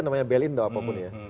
namanya bel in atau apapun ya